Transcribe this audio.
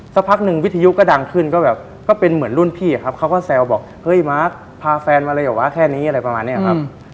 สักพักหนึ่งวิทยุก็ดังขึ้นก็แบบก็เป็นเหมือนรุ่นพี่ครับเขาก็แซวบอกเฮ้ยมาร์คพาแฟนมาเลยเหรอวะแค่นี้อะไรประมาณนี้ครับ